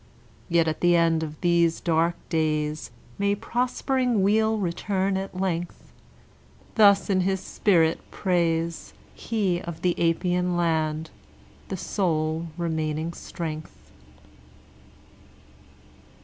Yet at the end of these dark days May prospering weal return at length; Thus in his spirit prays He of the Apian land the sole remaining strength.